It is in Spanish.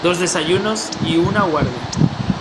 dos desayunos y una guardia.